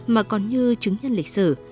mà còn như chứng nhân lịch sử